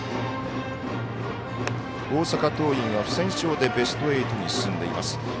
大阪桐蔭が不戦勝でベスト８に進んでいます。